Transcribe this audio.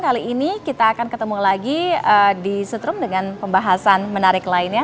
kali ini kita akan ketemu lagi di setrum dengan pembahasan menarik lainnya